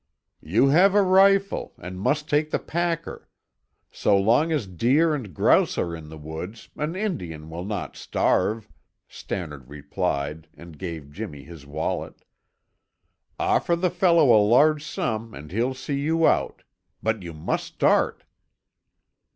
"You have a rifle, and must take the packer. So long as deer and grouse are in the woods, an Indian will not starve," Stannard replied and gave Jimmy his wallet. "Offer the fellow a large sum and he'll see you out. But you must start!"